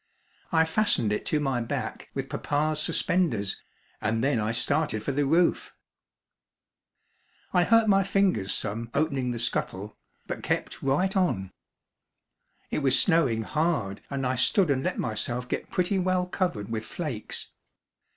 I fastened it to my back with papa's suspenders, and then I started for the roof. I hurt my fingers some opening the scuttle, but kept right on. It was snowing hard and I stood and let myself get pretty well covered with flakes.